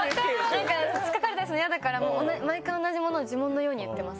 なんか突っかかられたりするの嫌だから毎回同じものを呪文のように言ってます